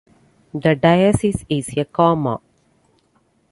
The diesis is a comma.